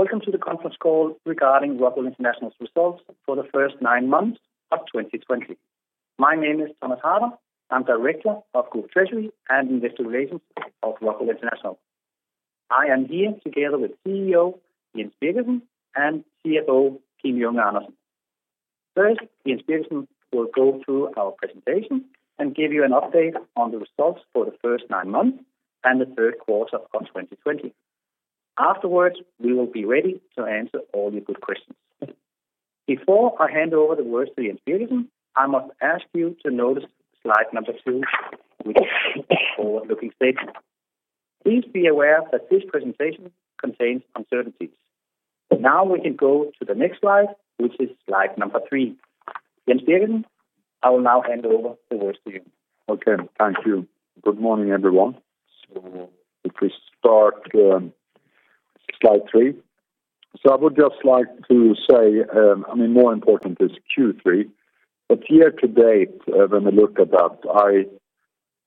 Welcome to the conference call regarding ROCKWOOL International's results for the first nine months of 2020. My name is Thomas Harder. I am Director of Group Treasury and Investor Relations of ROCKWOOL International. I am here together with CEO Jens Birgersson and CFO Kim Junge Andersen. First, Jens Birgersson will go through our presentation and give you an update on the results for the first nine months and the third quarter of 2020. Afterwards, we will be ready to answer all your good questions. Before I hand over the words to Jens Birgersson, I must ask you to notice slide number two, which is the forward-looking statement. Please be aware that this presentation contains uncertainties. Now we can go to the next slide, which is slide number three. Jens Birgersson, I will now hand over the words to you. Okay. Thank you. Good morning, everyone. If we start slide three. I would just like to say, more important is Q3, but year-to-date, when we look at that,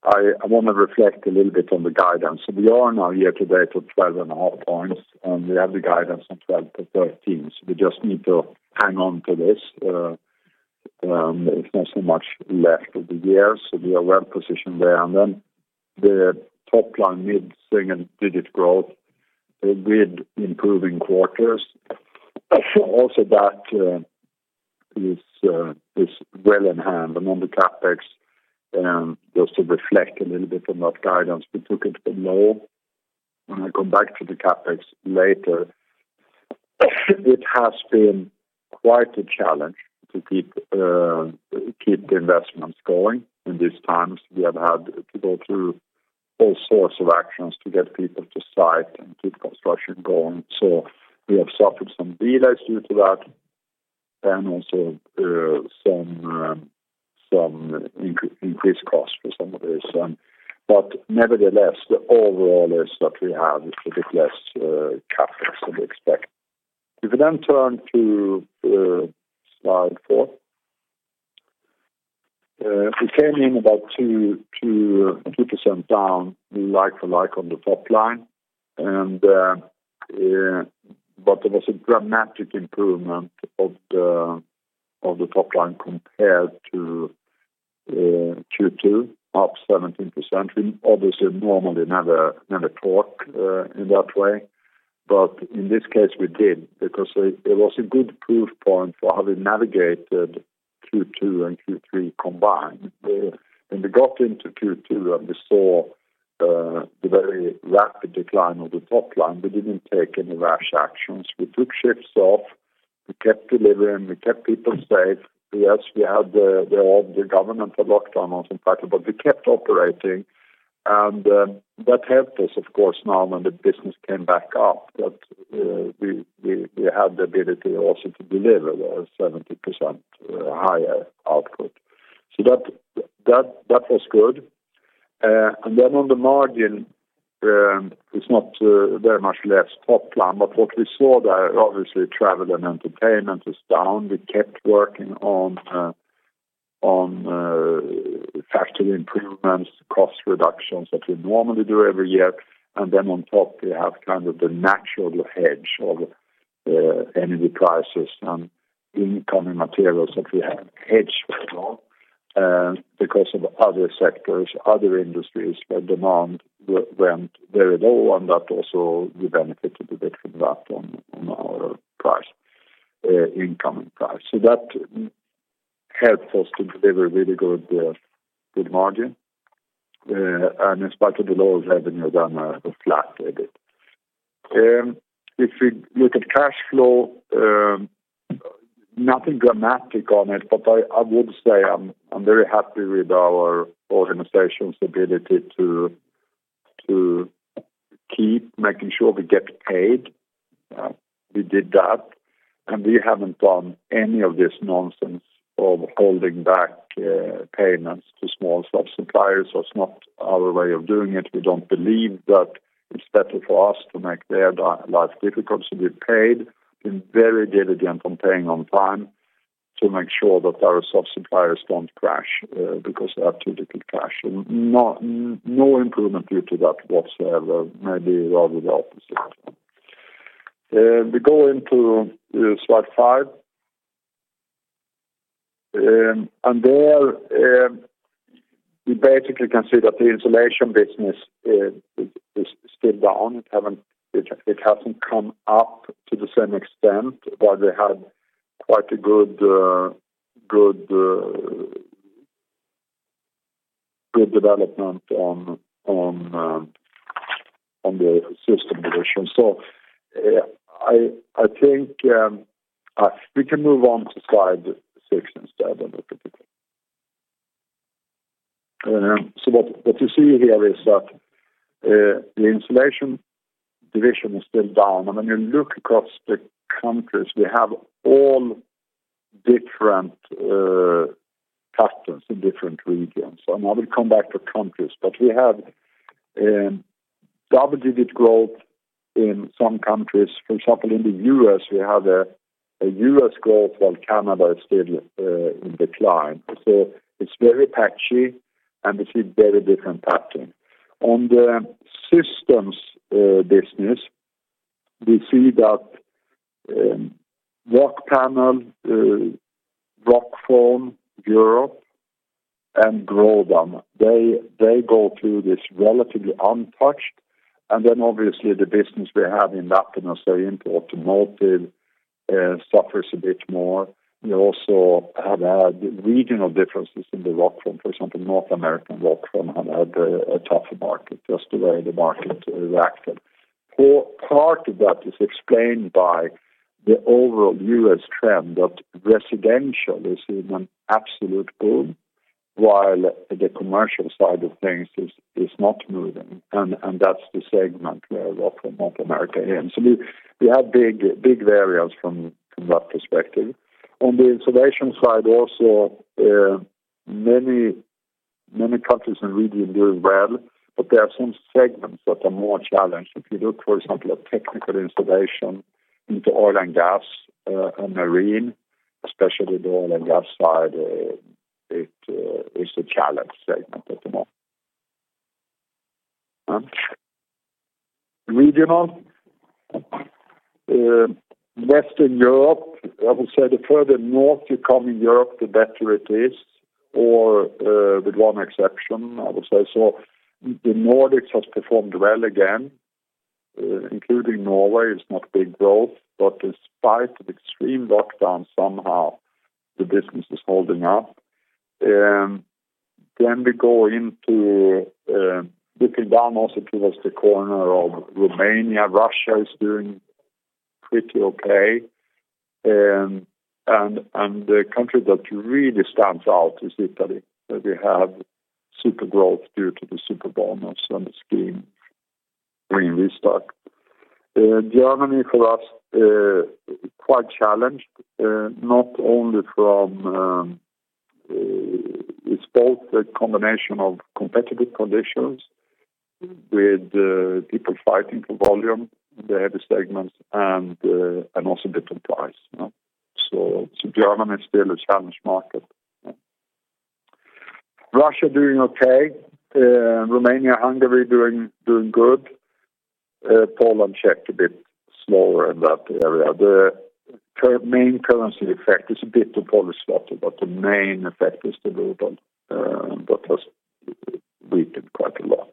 I want to reflect a little bit on the guidance. We are now year-to-date with 12.5 points, and we have the guidance on 12-13. We just need to hang on to this. There's not so much left of the year, so we are well-positioned there, and then the top line mid-single digit growth with improving quarters. Also, that is well in hand. The CapEx, just to reflect a little bit on that guidance, we took it a bit low. When I go back to the CapEx later, it has been quite a challenge to keep the investments going in these times. We have had to go through all sorts of actions to get people to site and keep construction going. We have suffered some delays due to that, and also some increased costs for some of this. Nevertheless, the overall is that we have a bit less CapEx than we expected. If we turn to slide four. We came in about 2% down like-for-like on the top line, but there was a dramatic improvement of the top line compared to Q2, up 17%. We obviously normally never talk in that way, but in this case we did, because it was a good proof point for how we navigated Q2 and Q3 combined. When we got into Q2 and we saw the very rapid decline of the top line, we didn't take any rash actions. We took shifts off. We kept delivering. We kept people safe. Yes, we had the government lockdown also in part, but we kept operating, and that helped us, of course, now when the business came back up, that we had the ability also to deliver a 70% higher output. That was good. On the margin, it's not very much less top line, but what we saw there, obviously travel and entertainment is down. We kept working on factory improvements, cost reductions that we normally do every year, and then on top, we have kind of the natural hedge of energy prices on incoming materials that we have hedged for, because of other sectors, other industries where demand went very low and that also we benefited a bit from that on our price, incoming price. That helped us to deliver really good margin, and in spite of the lower revenue than the flat a bit. If we look at cash flow, nothing dramatic on it, but I would say I am very happy with our organization's ability to keep making sure we get paid. We did that, and we have not done any of this nonsense of holding back payments to small suppliers. That is not our way of doing it. We do not believe that it is better for us to make their lives difficult. We've paid. Been very diligent on paying on time to make sure that our suppliers do not crash, because they are too difficult to crash. No improvement due to that whatsoever. Maybe rather the opposite. We go into slide five. There, we basically can see that the insulation business is still down. It has not come up to the same extent while we had quite a good development on the system division. We can move on to slide six instead. What you see here is that the insulation division is still down, and when you look across the countries, we have all different patterns in different regions. I will come back to countries, but we have double-digit growth in some countries. For example, in the U.S., we have U.S. growth while Canada is still in decline. It's very patchy, and we see very different patterns. On the systems business, we see that Rockpanel, Rockfon, and Grodan, they go through this relatively untouched, and then obviously the business we have in Lapinus and say into automotive suffers a bit more. We also have had regional differences in the Rockfon. For example, Rockfon North America have had a tougher market, just the way the market reacted. Part of that is explained by the overall U.S. trend of residential is in an absolute boom, while the commercial side of things is not moving, and that's the segment where Rockfon North America is. We have big variance from that perspective. On the insulation side also, many countries and regions doing well, but there are some segments that are more challenged. If you look, for example, at technical insulation into oil and gas and marine, especially the oil and gas side, it is a challenged segment at the moment. Regional, Western Europe, I would say the further north you come in Europe, the better it is, or with one exception, I would say. The Nordics has performed well again, including Norway. It's not big growth, but despite the extreme lockdown, somehow the business is holding up. We go into looking down also towards the corner of Romania. Russia is doing pretty okay. The country that really stands out is Italy, where we have super growth due to the Superbonus and the scheme green restart. Germany for us, quite challenged. It's both a combination of competitive conditions with people fighting for volume in the heavy segments and also different price. Germany is still a challenged market. Russia doing okay. Romania, Hungary doing good. Poland, Czech, a bit slower in that area. The main currency effect is a bit the Polish zloty, but the main effect is the ruble that has weakened quite a lot.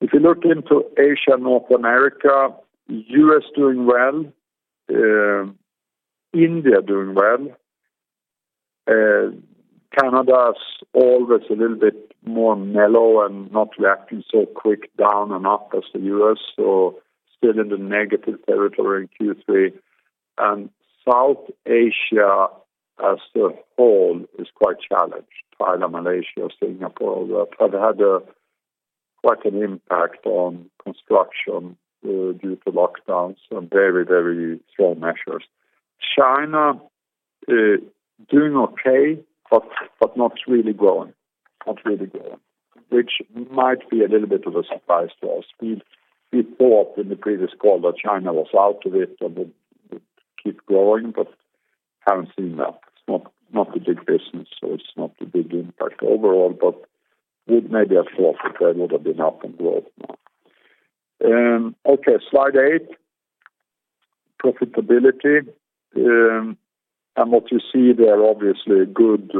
If you look into Asia, North America, U.S. doing well, India doing well. Canada's always a little bit more mellow and not reacting so quick down and up as the U.S. Still in the negative territory in Q3. South Asia as a whole is quite challenged. Thailand, Malaysia, Singapore have had quite an impact on construction due to lockdowns and very, very strong measures. China doing okay, but not really growing. Which might be a little bit of a surprise to us. We thought in the previous call that China was out of it and would keep growing but haven't seen that. It's not a big business, so it's not a big impact overall, but with maybe a fourth or third would have been up in growth now. Slide eight, profitability. What you see there, obviously a good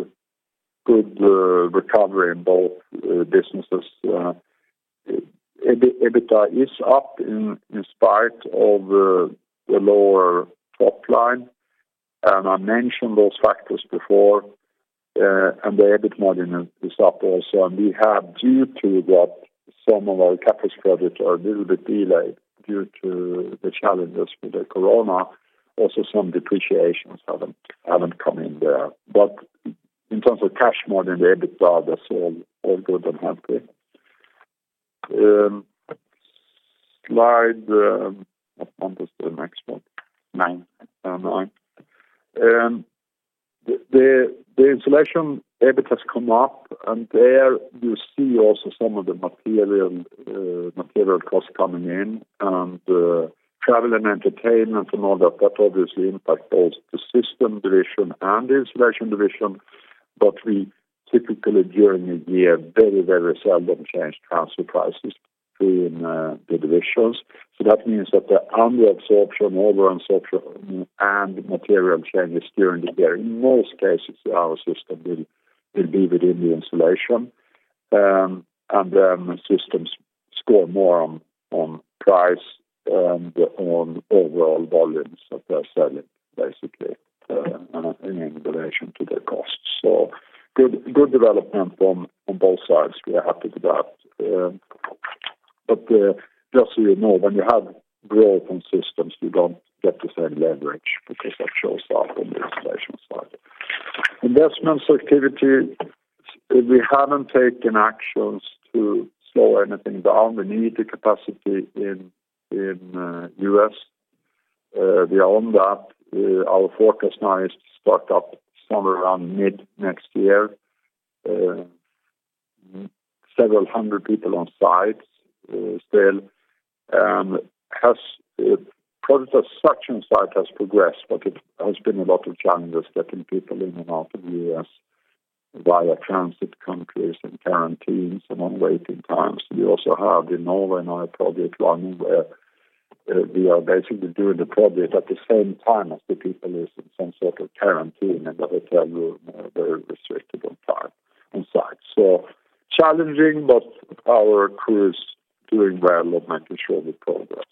recovery in both businesses. EBITDA is up in spite of the lower top line, and I mentioned those factors before, and the EBIT margin is up also. We have, due to that, some of our CapEx credits are a little bit delayed due to the challenges with the corona. Some depreciations haven't come in there. In terms of cash margin, the EBITDA, that's all good and healthy. Slide, what one is the next one? Nine. The insulation EBIT has come up, and there you see also some of the material costs coming in and travel and entertainment and all that obviously impact both the System division and the Insulation division. We typically during the year very seldom change transfer prices between the divisions. That means that the under absorption, over absorption, and material changes during the year, in most cases, our System will be within the Insulation. Then System score more on price and on overall volumes that they're selling, basically, in relation to their costs. Good development on both sides. We are happy with that. Just so you know, when you have growth on systems, you don't get the same leverage because that shows up on the Insulation side. Investments activity, we haven't taken actions to slow anything down. We need the capacity in U.S. We are on that. Our forecast now is to start up somewhere around mid next year. Several hundred people on site still. Project as such on site has progressed, but it has been a lot of challenges getting people in and out of the U.S. via transit countries and quarantines and long waiting times. We also have in Norway, another project running where we are basically doing the project at the same time as the people is in some sort of quarantine in a hotel room, very restricted on site. Challenging, but our crew is doing well and making sure we progress.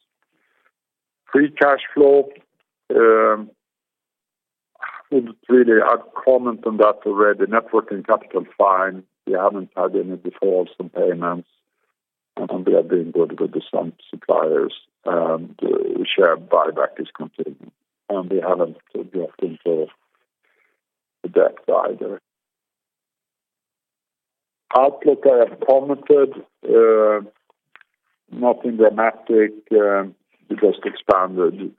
Free cash flow, would really comment on that already. Net working capital fine. We haven't had any defaults on payments, and we have been good with the suppliers. The share buyback is continuing, and we haven't dropped into the debt either. Outlook, I have commented. Nothing dramatic. We just expanded,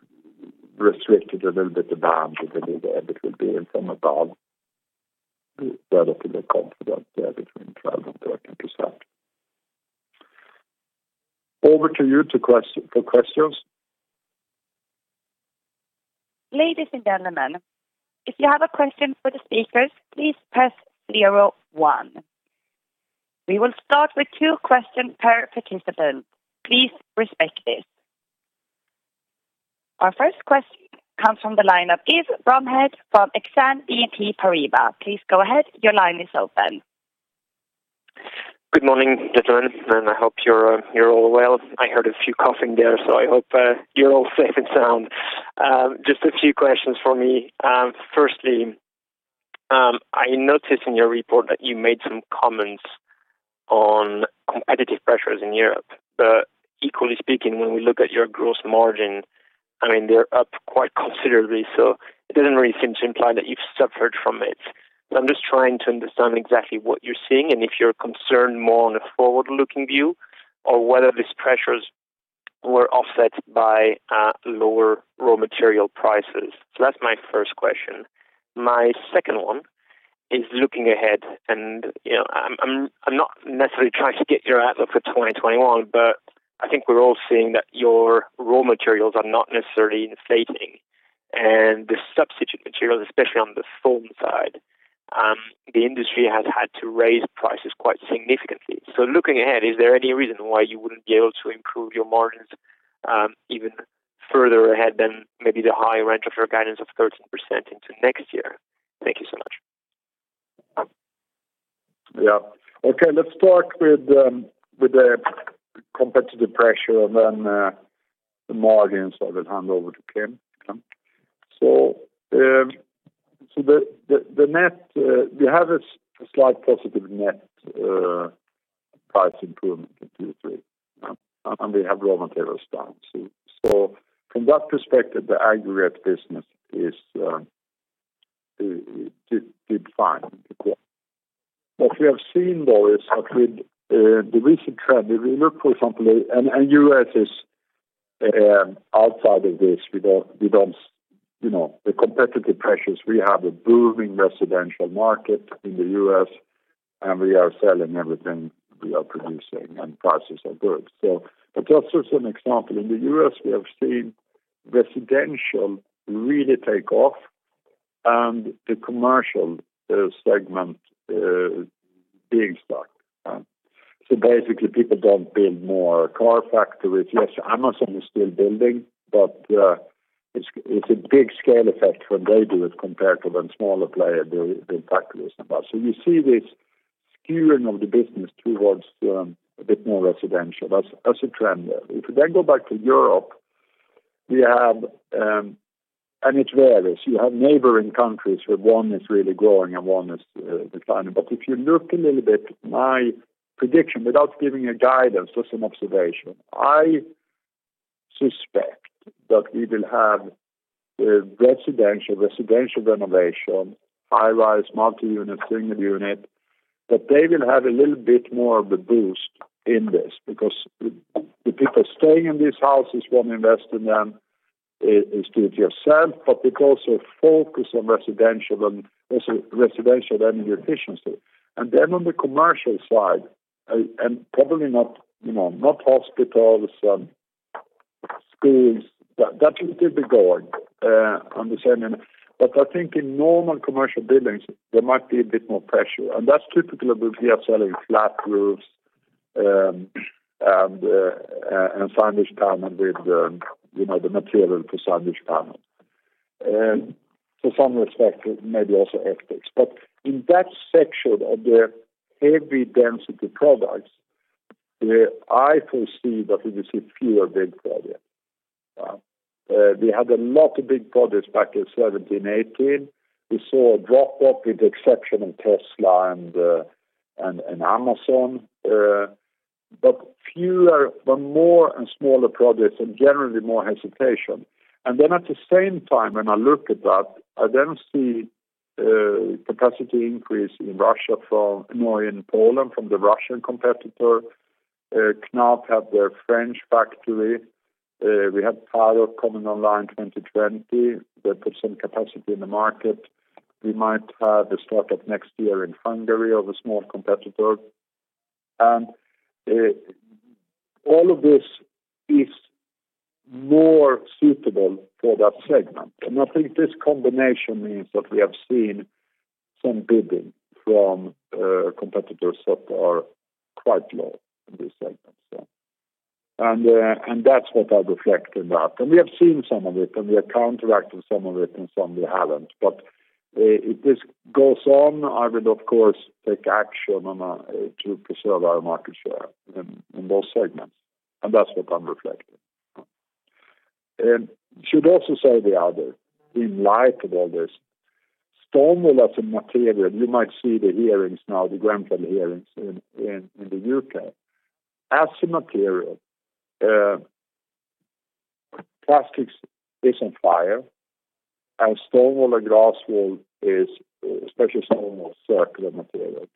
restricted a little bit the bands a little bit, but will be from about relatively confident there between 12% and 13%. Over to you for questions. Ladies and gentlemen, if you have a question for the speakers, please press zero one. We will start with two questions per participant. Please respect this. Our first question comes from the line of Yves Bromehead from Exane BNP Paribas. Please go ahead. Your line is open. Good morning, gentlemen. I hope you're all well. I heard a few coughing there, so I hope you're all safe and sound. Just a few questions from me. Firstly, I noticed in your report that you made some comments on competitive pressures in Europe. Equally speaking, when we look at your gross margin, they're up quite considerably, so it doesn't really seem to imply that you've suffered from it. I'm just trying to understand exactly what you're seeing and if you're concerned more on a forward-looking view or whether these pressures were offset by lower raw material prices. That's my first question. My second one is looking ahead and I'm not necessarily trying to get your outlook for 2021, but I think we're all seeing that your raw materials are not necessarily inflating and the substitute materials, especially on the foam side, the industry has had to raise prices quite significantly. Looking ahead, is there any reason why you wouldn't be able to improve your margins even further ahead than maybe the high range of your guidance of 13% into next year? Thank you so much. Yeah. Okay, let's start with the competitive pressure and then the margins. I will hand over to Kim. We have a slight positive net price improvement in Q3, and we have raw materials down. From that perspective, the aggregate business did fine. What we have seen, though, is that with the recent trend, if you look, for example, and U.S. is outside of this. The competitive pressures, we have a booming residential market in the U.S., and we are selling everything we are producing, and prices are good. Just as an example, in the U.S., we have seen residential really take off and the commercial segment being stuck. Basically, people don't build more car factories. Yes, Amazon is still building, but it's a big scale effect when they do it compared to when smaller players build factories. You see this skewing of the business towards a bit more residential. That's a trend there. If you then go back to Europe, and it varies. You have neighboring countries where one is really growing and one is declining. If you look a little bit, my prediction, without giving a guidance, just an observation, I suspect that we will have residential renovation, high-rise, multi-unit, single unit, that they will have a little bit more of a boost in this, because the people staying in these houses want to invest in them, is do-it-yourself, but they also focus on residential and also residential energy efficiency. Then on the commercial side, and probably not hospitals, schools. That will still be going on the same end. I think in normal commercial buildings, there might be a bit more pressure, and that's typical of we are selling flat roofs and sandwich panel with the material for sandwich panel. To some respect, maybe also ETICS. In that section of the heavy density products, where I foresee that we will see fewer big projects. We had a lot of big projects back in 2017, 2018. We saw a drop-off with the exception of Tesla and Amazon, but more and smaller projects and generally more hesitation. At the same time, when I look at that, I then see capacity increase in Russia from more in Poland from the Russian competitor Knauf have their French factory. We have Paroc coming online 2020. They put some capacity in the market. We might have the start of next year in Hungary of a small competitor. All of this is more suitable for that segment. I think this combination means that we have seen some bidding from competitors that are quite low in this segment. That's what I reflect in that. We have seen some of it, and we are counteracting some of it, and some we haven't. If this goes on, I would, of course, take action to preserve our market share in those segments, and that's what I'm reflecting. Should also say the other, in light of all this, stone wool as a material, you might see the hearings now, the Grenfell hearings in the U.K. As a material, plastics is on fire, and stone wool or glass wool is, especially stone wool, circular material.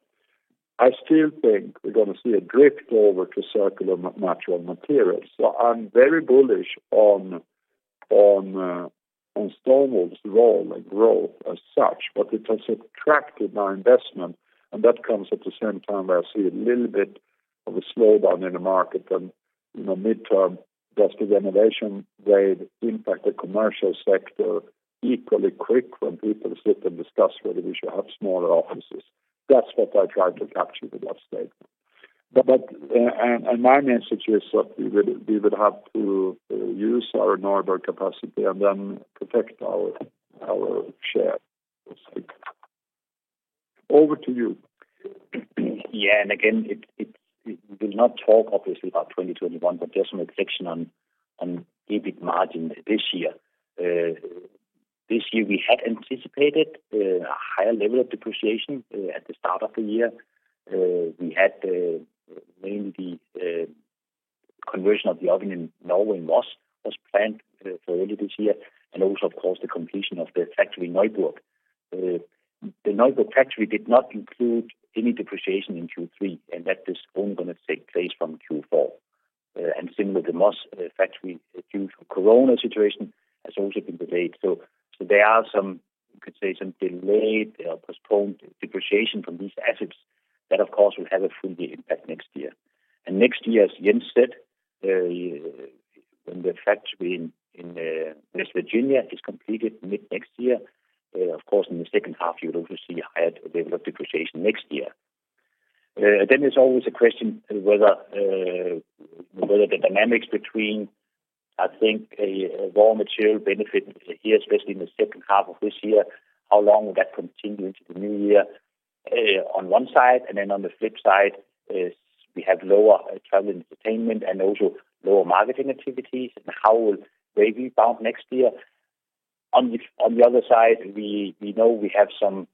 I still think we're going to see a drift over to circular natural materials. I'm very bullish on stone wool's role and growth as such, but it has attracted my investment, and that comes at the same time where I see a little bit of a slowdown in the market and, midterm, does the renovation wave impact the commercial sector equally quick when people sit and discuss whether we should have smaller offices. That's what I tried to capture with that statement. My message is that we would have to use our Neuburg capacity and then protect our share. Over to you. Again, we will not talk obviously about 2021, but just some reflection on EBIT margin this year. This year, we had anticipated a higher level of depreciation at the start of the year. We had mainly the conversion of the oven in Norway and Moss was planned for early this year, and also, of course, the completion of the factory in Nybro. The Nybro factory did not include any depreciation in Q3, and that is only going to take place from Q4. Similarly, the Moss factory, due to corona situation, has also been delayed. There are some, you could say, some delayed or postponed depreciation from these assets that, of course, will have a full year impact next year. Next year, as Jens said, when the factory in West Virginia is completed mid-next year, of course, in the second half, you will also see a higher level of depreciation next year. There's always a question whether the dynamics between, I think, a raw material benefit here, especially in the second half of this year, how long will that continue into the new year on one side, and then on the flip side is we have lower travel and entertainment and also lower marketing activities, and how will they rebound next year. On the other side, we know we have some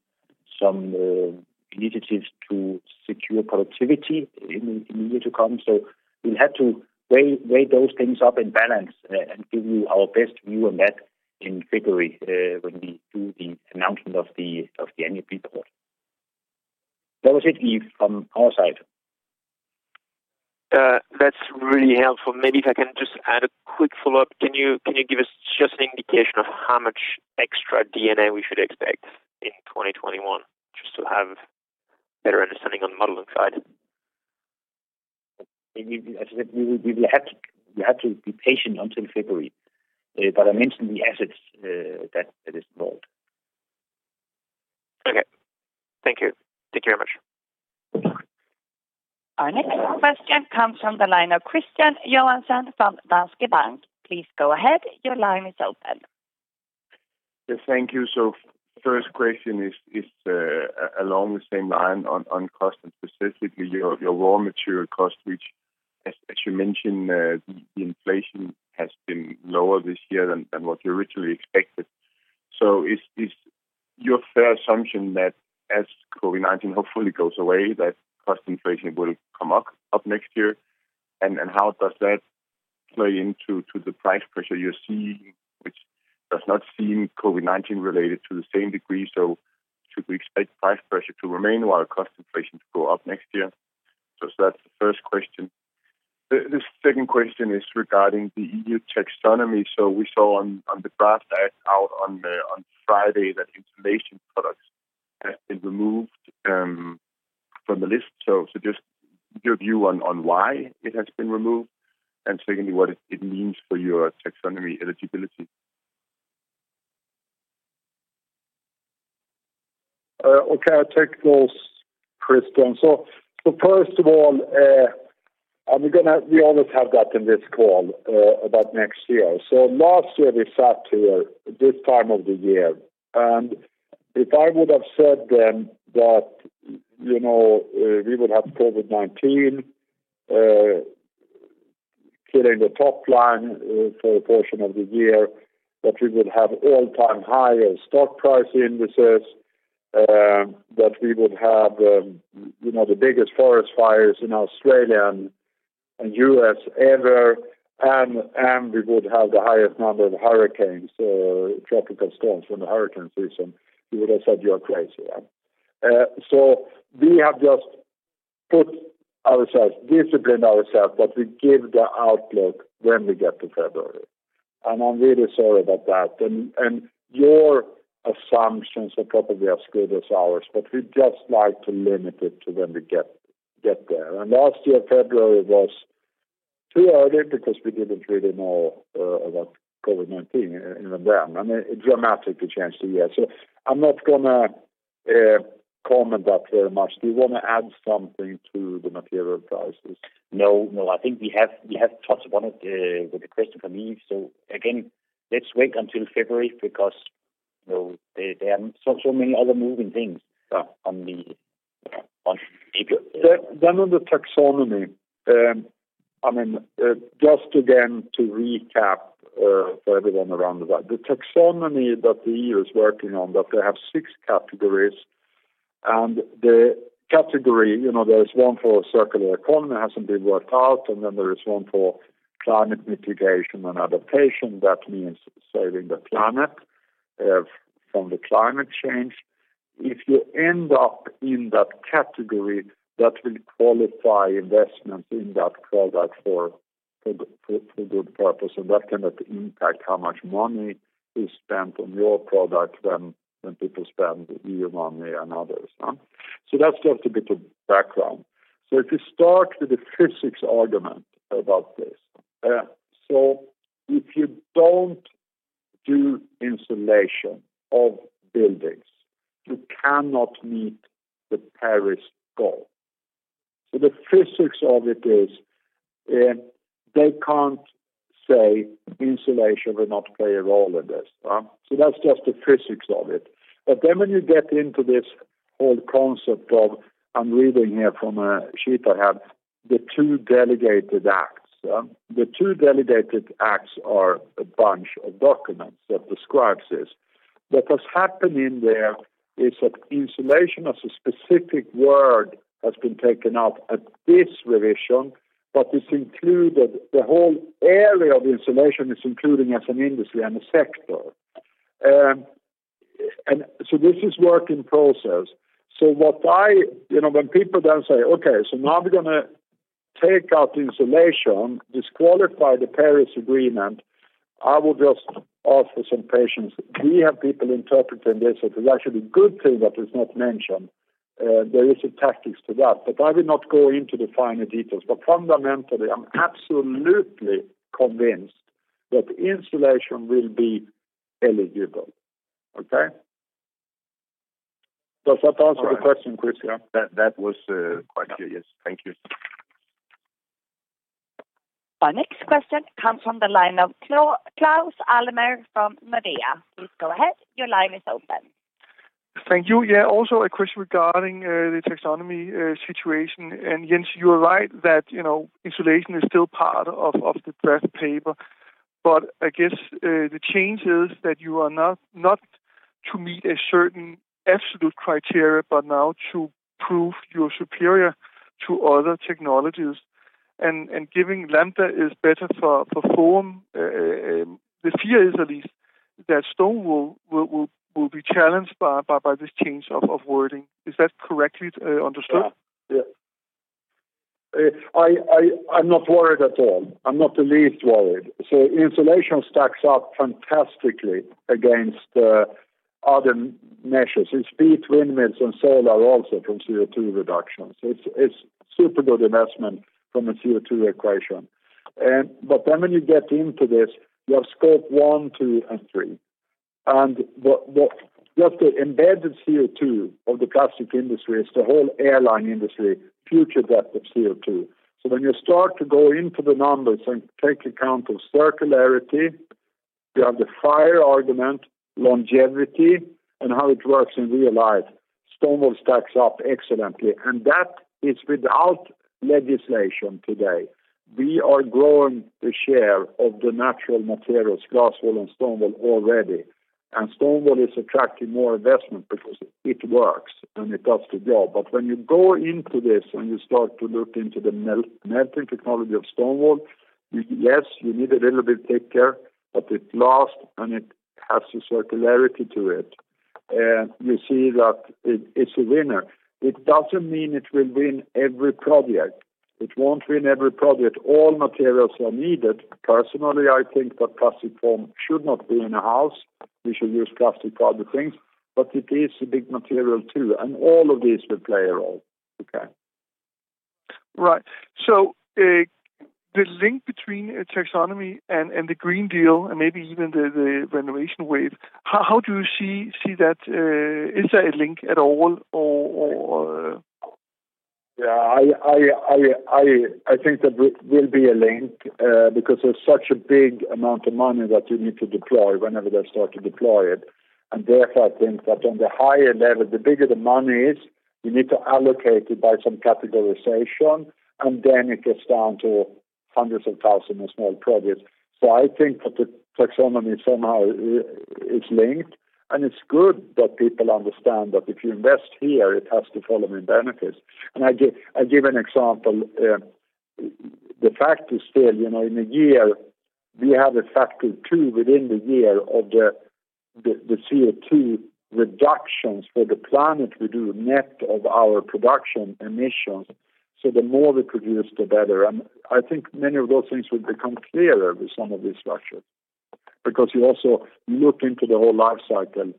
initiatives to secure productivity in the year-to-come. We'll have to weigh those things up and balance and give you our best view on that in February when we do the announcement of the annual report. That was it, Yves, from our side. That's really helpful. Maybe if I can just add a quick follow-up. Can you give us just an indication of how much extra D&A we should expect in 2021, just to have better understanding on the modeling side? As I said, you will have to be patient until February. I mentioned the assets that is sold. Okay. Thank you. Thank you very much. Our next question comes from the line of Kristian Johansen from Danske Bank. Please go ahead. Your line is open. Yes. Thank you. First question is along the same line on cost and specifically your raw material cost, which, as you mentioned, the inflation has been lower this year than what you originally expected. Is your fair assumption that as COVID-19 hopefully goes away, that cost inflation will come up next year? How does that play into the price pressure you're seeing, which does not seem COVID-19-related to the same degree? Should we expect price pressure to remain while cost inflation to go up next year? That's the first question. The second question is regarding the EU taxonomy. We saw on the draft that out on Friday that insulation products has been removed from the list. Just your view on why it has been removed, and secondly, what it means for your taxonomy eligibility. Okay, I'll take those, Kristian. First of all, we always have that in this call about next year. Last year, we sat here this time of the year, and if I would have said then that we would have COVID-19 killing the top line for a portion of the year, that we would have all-time high stock price indices, that we would have the biggest forest fires in Australia and U.S. ever, and we would have the highest number of hurricanes, tropical storms from the hurricane season, you would have said, "You're crazy." right? So we have just put ourselves, disciplined ourselves that we give the outlook when we get to February, and I'm really sorry about that. Your assumptions are probably as good as ours, but we'd just like to limit it to when we get there. Last year, February was too early because we didn't really know about COVID-19 in Iran, and it dramatically changed the year. I'm not going to comment that very much. Do you want to add something to the material prices? No. I think we have touched upon it with the question from Yves. Again, let's wait until February because there are so many other moving things on the table. On the taxonomy, just again to recap for everyone around that. The taxonomy that the EU is working on, that they have six categories, the category one for circular economy, hasn't been worked out, there is one for climate mitigation and adaptation. That means saving the planet from the climate change. If you end up in that category, that will qualify investments in that product for good purpose, that cannot impact how much money is spent on your product when people spend EU money and others. That's just a bit of background. If you start with the physics argument about this, so if you don't do insulation of buildings, you cannot meet the Paris goal. The physics of it is they can't say insulation will not play a role in this. That's just the physics of it. When you get into this whole concept of, I'm reading here from a sheet I have, the two delegated acts. The two delegated acts are a bunch of documents that describe this. What's happening there is that insulation as a specific word has been taken out at this revision, but the whole area of insulation is included as an industry and a sector. This is work in process. When people then say, "Okay, so now we're going to take out insulation, disqualify the Paris Agreement," I would just ask for some patience. We have people interpreting this that there's actually a good thing that is not mentioned. There is a tactic to that. I will not go into the finer details. Fundamentally, I'm absolutely convinced that insulation will be eligible. Okay? Does that answer the question, Kristian? That was quite clear, yes. Thank you. Our next question comes from the line of Claus Almer from Nordea. Thank you. Yeah, also a question regarding the taxonomy situation. Jens, you're right that insulation is still part of the draft paper. I guess the change is that you are not to meet a certain absolute criteria, but now to prove you're superior to other technologies. Given lambda is better for foam, the fear is at least that stone wool will be challenged by this change of wording. Is that correctly understood? Yeah. I'm not worried at all. I'm not the least worried. Insulation stacks up fantastically against other measures. It's beat windmills and solar also from CO2 reductions. It's super good investment from a CO2 equation. When you get into this, you have Scope 1, 2, and 3. What the embedded CO2 of the plastics industry is the whole airline industry, future debt of CO2. When you start to go into the numbers and take account of circularity, you have the fire argument, longevity, and how it works in real life. Stone wool stacks up excellently, and that is without legislation today. We are growing the share of the natural materials, glass wool and stone wool already, and stone wool is attracting more investment because it works and it does the job. When you go into this and you start to look into the melting technology of stone wool, yes, you need a little bit take care, but it lasts and it has a circularity to it. You see that it's a winner. It doesn't mean it will win every project. It won't win every project. All materials are needed. Personally, I think that plastic foam should not be in a house. We should use plastic for other things. It is a big material, too, and all of these will play a role. Okay? Right. The link between Taxonomy and the Green Deal, and maybe even the renovation wave, how do you see that? Is there a link at all, or? Yeah, I think there will be a link because there is such a big amount of money that you need to deploy whenever they start to deploy it. Therefore, I think that on the higher level, the bigger the money is, you need to allocate it by some categorization, and then it gets down to hundreds of thousands of small projects. I think that the Taxonomy somehow is linked, and it is good that people understand that if you invest here, it has to follow in benefits. I give an example. The fact is still, in a year, we have a factor two within the year of the CO2 reductions for the planet we do net of our production emissions. The more we produce, the better. I think many of those things will become clearer with some of these structures, because you also look into the whole life cycle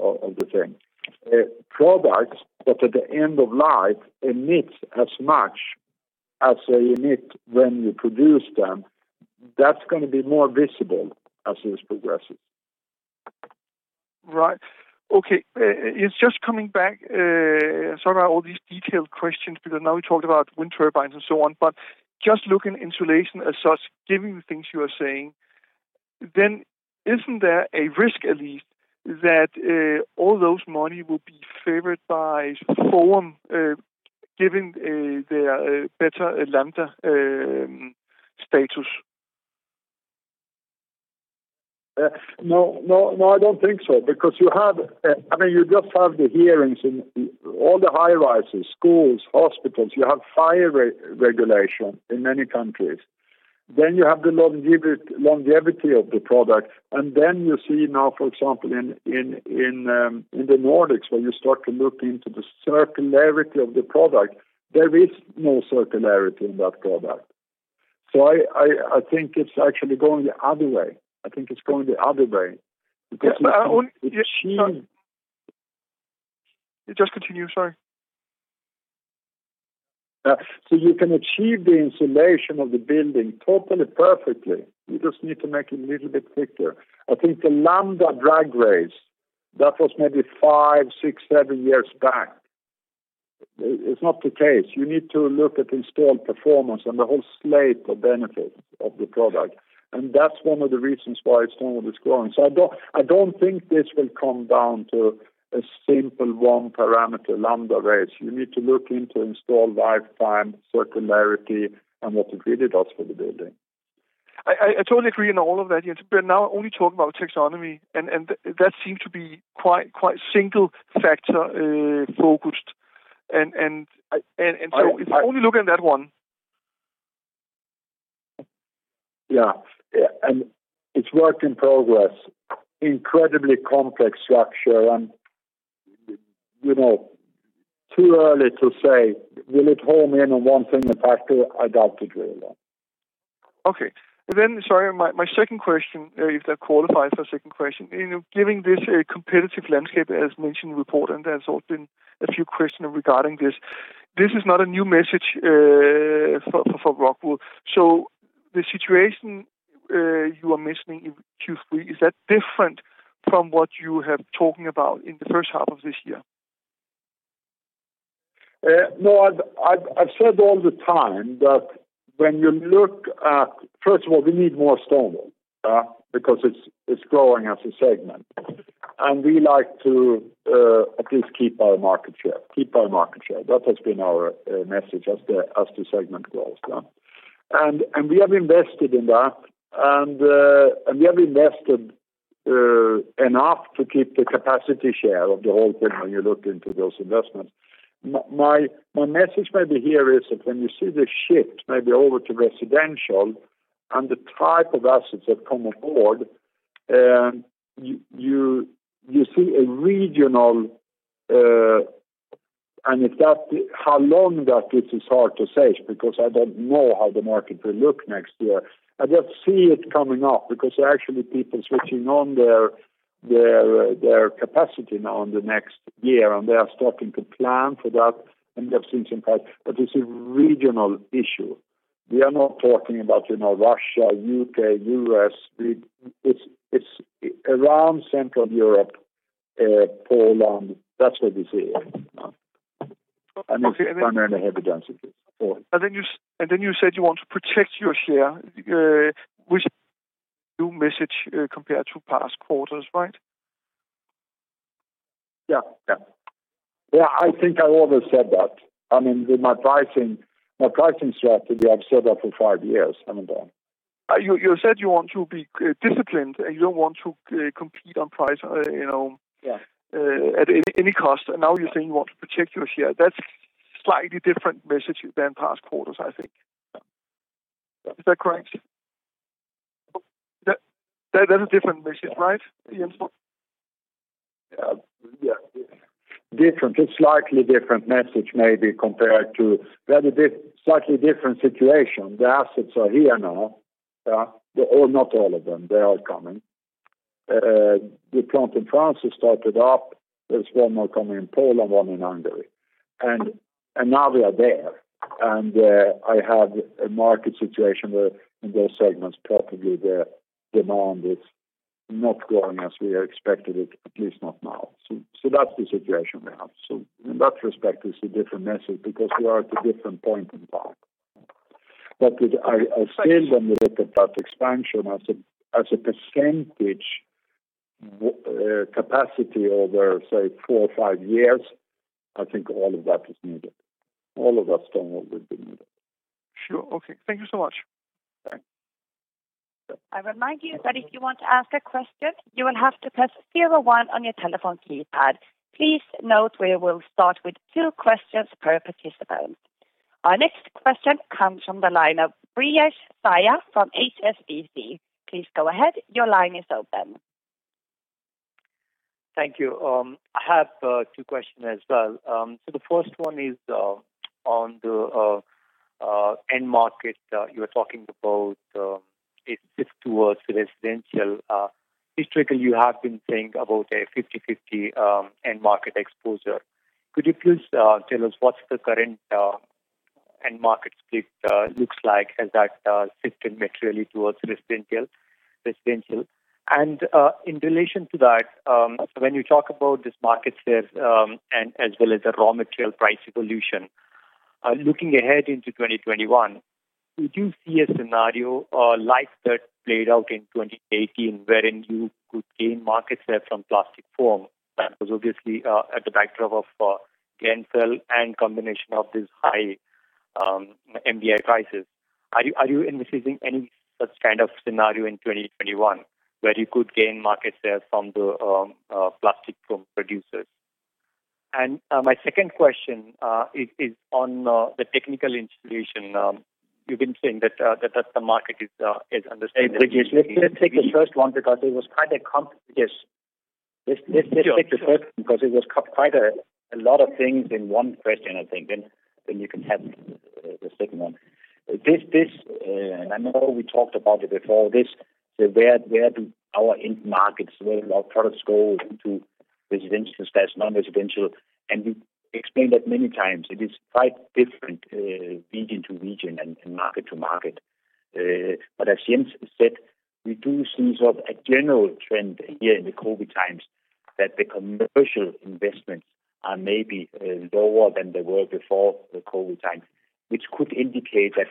of the thing. Products that at the end of life emits as much as they emit when you produce them, that's going to be more visible as this progresses. Right. Okay. It's just coming back, sorry about all these detailed questions, because now we talked about wind turbines and so on, but just looking insulation as such, given the things you are saying, then isn't there a risk at least that all those money will be favored by foam given their better lambda value? No, I don't think so. You just have the hearings in all the high-rises, schools, hospitals. You have fire regulation in many countries. You have the longevity of the product. You see now, for example, in the Nordics, when you start to look into the circularity of the product, there is no circularity in that product. I think it's actually going the other way. I think it's going the other way because you can achieve. Just continue. Sorry. You can achieve the insulation of the building totally perfectly. You just need to make it a little bit thicker. I think the Lambda drag race, that was maybe five, six, seven years back. It's not the case. You need to look at installed performance and the whole slate of benefits of the product, and that's one of the reasons why stone wool is growing. I don't think this will come down to a simple one parameter Lambda race. You need to look into installed lifetime circularity and what it really does for the building. I totally agree in all of that, yes. We're now only talking about taxonomy, and that seems to be quite single factor focused and so if you only look at that one. Yeah. It's work in progress. Incredibly complex structure and too early to say, will it home in on one thing, a factor? I doubt it really. Sorry, my second question, if that qualifies for a second question, given this competitive landscape as mentioned in the report, and there's also been a few questions regarding this is not a new message for ROCKWOOL. The situation you are mentioning in Q3, is that different from what you have talking about in the first half of this year? No, I've said all the time that we need more stone wool because it's growing as a segment, and we like to at least keep our market share. That has been our message as the segment grows. We have invested in that, and we have invested enough to keep the capacity share of the whole thing when you look into those investments. My message maybe here is that when you see the shift, maybe over to residential and the type of assets that come aboard, you see a regional. How long that is hard to say because I don't know how the market will look next year. I just see it coming up because there are actually people switching on their capacity now in the next year, and they are starting to plan for that, and they've seen some price. It's a regional issue. We are not talking about Russia, U.K., U.S. It's around Central Europe, Poland. That's where we see it. It's primarily heavy density. You said you want to protect your share, which new message compared to past quarters, right? Yeah. I think I always said that. With my pricing strategy, I've said that for five years, haven't I? You said you want to be disciplined, and you don't want to compete on price at any cost. Now you're saying you want to protect your share. That's slightly different message than past quarters, I think. Is that correct? That is different message, right? Yeah. Different. It's slightly different message, maybe, compared to very slightly different situation. The assets are here now. Not all of them. They are coming. The plant in France has started up. There is one more coming in Poland, one in Hungary, and now they are there. I have a market situation where in those segments, probably the demand is not growing as we had expected it, at least not now. That's the situation we have. In that respect, it's a different message because we are at a different point in time. I still, when we look at that expansion as a percentage capacity over, say, four or five years, I think all of that is needed. All of that stone wool will be needed. Sure. Okay. Thank you so much. Okay. I remind you that if you want to ask a question, you will have to press zero one on your telephone keypad. Please note, we will start with two questions per participant. Our next question comes from the line of Brijesh Siya from HSBC. Please go ahead. Your line is open. Thank you. I have two questions as well. The first one is on the end market you were talking about, a shift towards residential. Historically, you have been saying about a 50/50 end market exposure. Could you please tell us what's the current end market split looks like as that shifted materially towards residential? In relation to that, when you talk about this market share, and as well as the raw material price evolution, looking ahead into 2021, would you see a scenario like that played out in 2018 wherein you could gain market share from plastic foam? That was obviously at the backdrop of Glenfel and combination of this high MDI prices. Are you envisaging any such kind of scenario in 2021 where you could gain market share from the plastic foam producers? My second question is on the technical installation. You've been saying that the market. Hey, Brijesh, let's take the first one because it was quite a lot of things in one question, I think. You can have the second one. I know we talked about it before this, where do our end markets, where our products go into residential versus non-residential, and we explained that many times. It is quite different region to region and market to market. As Jens said, we do see a general trend here in the COVID times that the commercial investments are maybe lower than they were before the COVID time, which could indicate that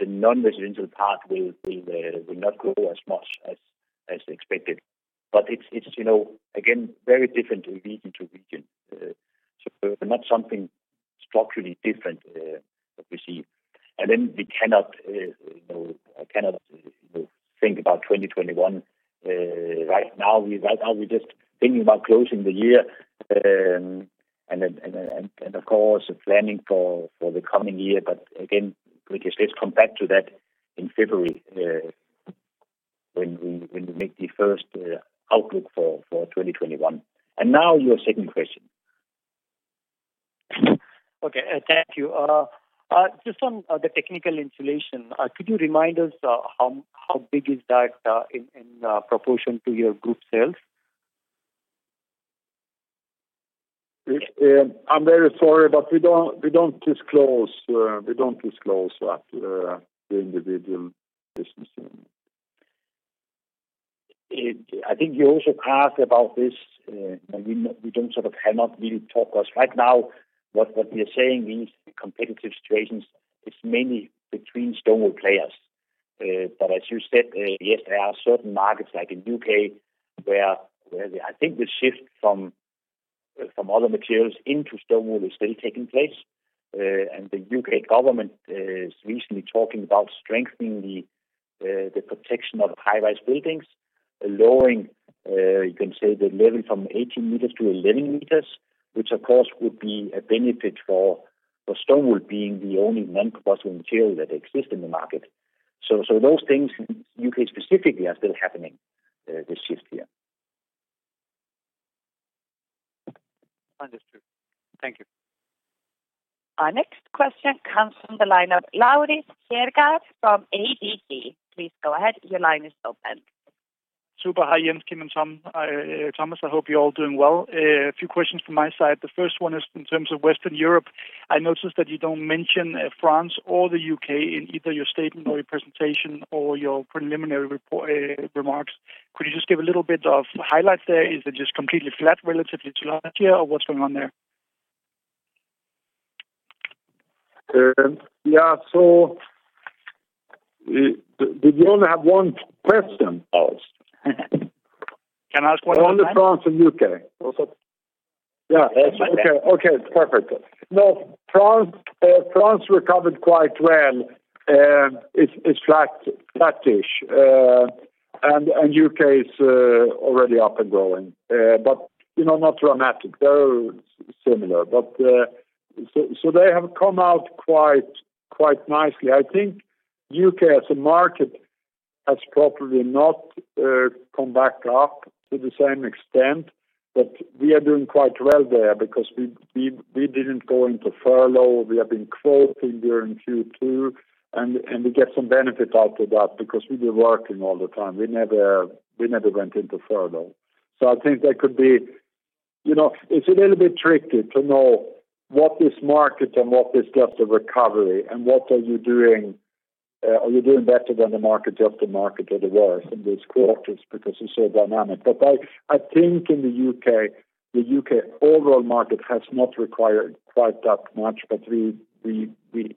the non-residential part will not grow as much as expected. It's, again, very different region to region. Not something structurally different that we see. We cannot think about 2021 right now. Right now, we're just thinking about closing the year, and of course, planning for the coming year. Again, Brijesh, let's come back to that in February, when we make the first outlook for 2021. Now your second question. Okay. Thank you. Just on the technical insulation, could you remind us how big is that in proportion to your group sales? I'm very sorry, but we don't disclose that, the individual business. I think you also asked about this, we cannot really talk, because right now what we are saying is the competitive situations, it's mainly between stone wool players. As you said, yes, there are certain markets like in U.K. where I think the shift from other materials into stone wool is still taking place. The U.K. government is recently talking about strengthening the protection of high-rise buildings, lowering, you can say, the level from 18 m-11 m, which, of course, would be a benefit for stone wool being the only non-combustible material that exists in the market. Those things in U.K. specifically are still happening, the shift here. Understood. Thank you. Our next question comes from the line of Laurits Kjaergaard from ABG. Please go ahead. Your line is open. Super. Hi, Jens, Kim, and Thomas. I hope you're all doing well. A few questions from my side. The first one is in terms of Western Europe. I noticed that you don't mention France or the U.K. in either your statement or your presentation or your preliminary remarks. Could you just give a little bit of highlights there? Is it just completely flat relatively to last year, or what's going on there? Yeah. Did you only have one question? Can I ask one more time? On the France and U.K. Also. Yeah. That's my bad. Okay. Perfect. No, France recovered quite well. It's flattish, and U.K. is already up and growing. Not dramatic, very similar. They have come out quite nicely. I think U.K. as a market has probably not come back up to the same extent, but we are doing quite well there because we didn't go into furlough. We have been quoting during Q2, and we get some benefit out of that because we've been working all the time. We never went into furlough. I think that could be. It's a little bit tricky to know what is market and what is just a recovery, and what are you doing. Are you doing better than the market, just the market, or the worse in these quarters because it's so dynamic? I think in the U.K., the U.K. overall market has not required quite that much, but we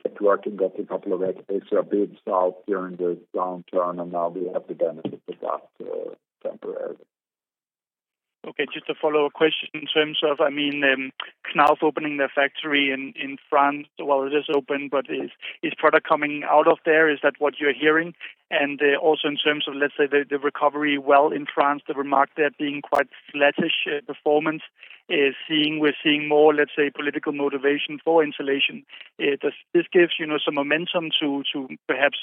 kept working, got a couple of extra bids out during the downturn, and now we have the benefit of that temporarily. Okay, just a follow-up question in terms of Knauf opening their factory in France. Well, it is open. Is product coming out of there? Is that what you're hearing? Also in terms of, let's say, the recovery well in France, the remark there being quite flattish performance. We're seeing more, let's say, political motivation for insulation. This gives some momentum to perhaps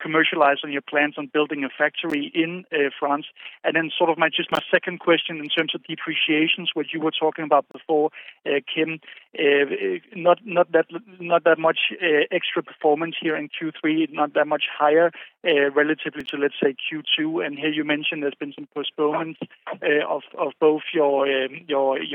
commercialize on your plans on building a factory in France. Just my second question in terms of depreciations, what you were talking about before, Kim, not that much extra performance here in Q3, not that much higher, relatively to, let's say, Q2. Here you mentioned there's been some postponements of both your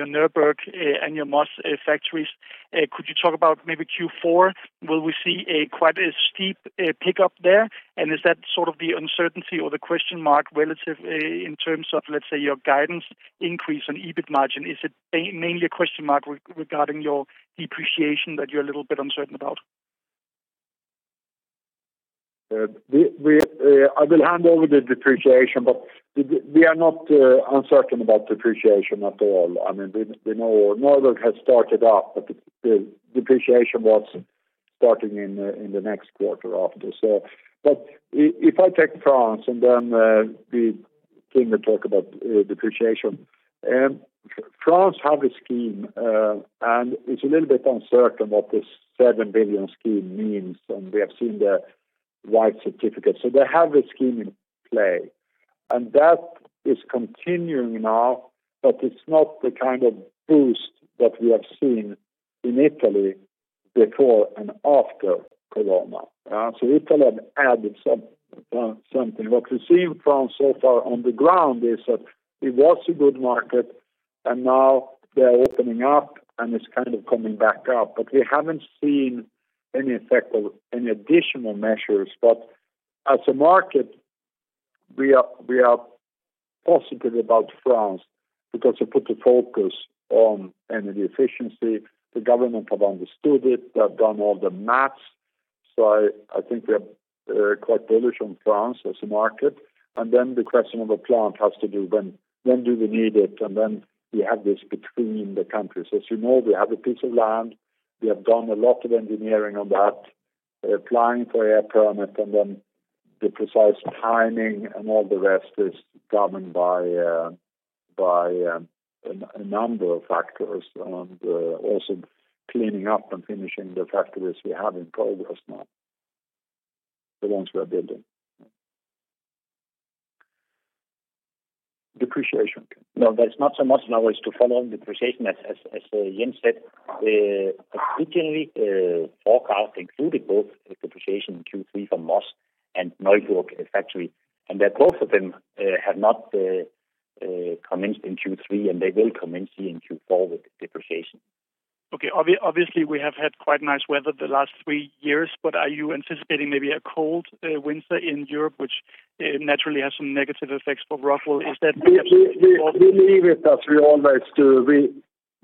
Neuburg and your Moss factories. Could you talk about maybe Q4? Will we see quite a steep pickup there? Is that sort of the uncertainty or the question mark relative in terms of, let's say, your guidance increase on EBIT margin? Is it mainly a question mark regarding your depreciation that you're a little bit uncertain about? I will hand over the depreciation. We are not uncertain about depreciation at all. We know Neuburg has started up. The depreciation was starting in the next quarter after. If I take France and then Kim will talk about depreciation. France have a scheme, and it's a little bit uncertain what this 7 billion scheme means, and we have seen the white certificate. They have a scheme in play, and that is continuing now, but it's not the kind of boost that we have seen in Italy before and after COVID. Italy have added something. What we see in France so far on the ground is that it was a good market, and now they're opening up, and it's kind of coming back up. We haven't seen any effect of any additional measures. As a market, we are positive about France because they put the focus on energy efficiency. The government have understood it. They've done all the maths. I think we are quite bullish on France as a market. The question of a plant has to do when do we need it, and then we have this between the countries. As you know, we have a piece of land. We have done a lot of engineering on that, applying for air permit, and then the precise timing and all the rest is governed by a number of factors, and also cleaning up and finishing the factories we have in progress now. The ones we are building. Depreciation, Kim. No, there's not so much now is to follow on depreciation as Jens said. Originally, forecast included both depreciation in Q3 for Moss and Neuburg factory, and that both of them have not commenced in Q3, and they will commence in Q4 with depreciation. Okay. Obviously, we have had quite nice weather the last three years. Are you anticipating maybe a cold winter in Europe, which naturally has some negative effects for ROCKWOOL? Is that maybe? We leave it as we always do.